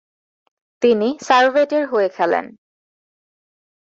তিনি সারভেটের হয়ে খেলেন।